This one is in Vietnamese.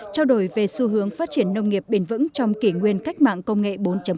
trao đổi về xu hướng phát triển nông nghiệp bền vững trong kỷ nguyên cách mạng công nghệ bốn